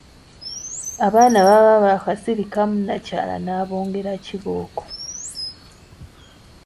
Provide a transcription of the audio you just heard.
Abaana baba baakasirikamu nnakyala n’abongera kibooko.